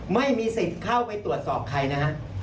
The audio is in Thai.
ไม่มีสิทธิ์เข้าไปตรวจสอบใครนะฮะ